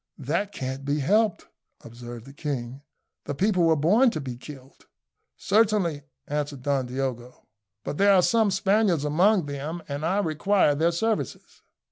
"That can't be helped," observed the king. "The people were born to be killed." "Certainly," answered Don Diogo; "but there are some Spaniards among them, and I require their services."